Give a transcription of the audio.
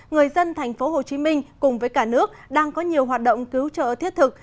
người dân tp hcm cùng với cả nước đang có nhiều hoạt động cứu trợ thiết thực